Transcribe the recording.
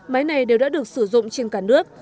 máy này đều đã được sử dụng trên cả nước